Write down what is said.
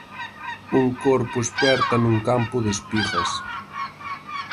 Un corpo esperta nun campo de espigas.